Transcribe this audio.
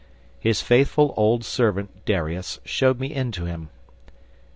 His faithful old servant Darius showed me in to him.